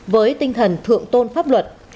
với tinh thần thượng tôn pháp luật